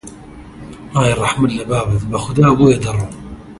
ئای ڕەحمەت لە بابت، بەخودا بۆیە دەڕۆم!